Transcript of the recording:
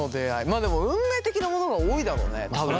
まあでも運命的なものが多いだろうね多分。